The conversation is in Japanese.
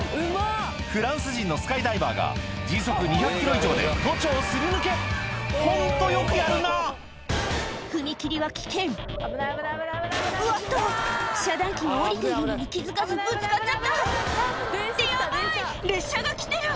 フランス人のスカイダイバーが時速２００キロ以上で都庁を擦り抜けホントよくやるな踏切は危険うわっと遮断機が下りているのに気付かずぶつかっちゃったってヤバい列車が来てる！